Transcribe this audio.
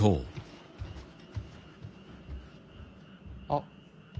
あっ。